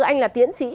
anh là tiến sĩ